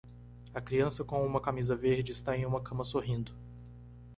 A criança com uma camisa verde está em uma cama sorrindo